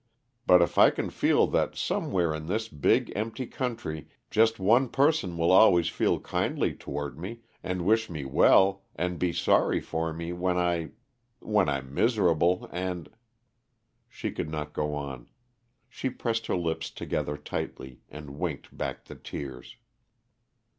But if I can feel that somewhere in this big, empty country just one person will always feel kindly toward me, and wish me well, and be sorry for we when I when I'm miserable, and " She could not go on. She pressed her lips together tightly, and winked back the tears.